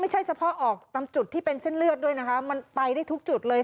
ไม่ใช่เฉพาะออกตรงจุดที่เป็นเส้นเลือดด้วยมันไปทุกจุดเลย